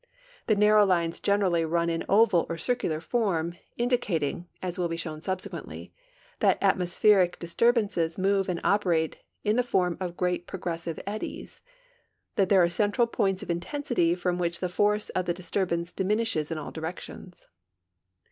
The narrow lines generally run in oval or circular form, indi cating (as will be shown subsequently) that atmospheric dis turbances move and operate in the form of great progressive eddies ; that there are central points of intensit}^ from which the force of the disturbance diminishes in all directions.